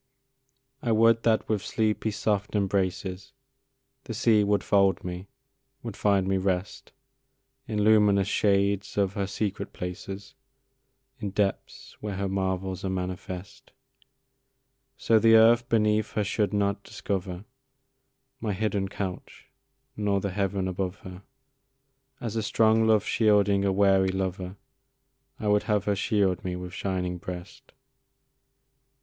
I would that with sleepy, soft embraces The sea would fold me would find me rest, In luminous shades of her secret places, In depths where her marvels are manifest; So the earth beneath her should not discover My hidden couch nor the heaven above her As a strong love shielding a weary lover, I would have her shield me with shining breast.